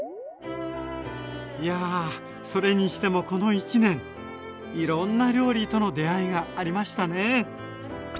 いやそれにしてもこの１年いろんな料理との出会いがありましたね。